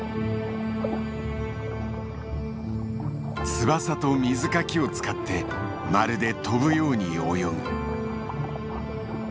翼と水かきを使ってまるで飛ぶように泳ぐ。